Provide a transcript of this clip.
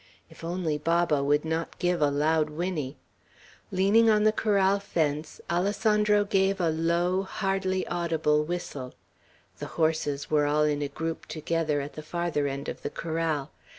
If only Baba would not give a loud whinny. leaning on the corral fence, Alessandro gave a low, hardly audible whistle. The horses were all in a group together at the farther end of the corral.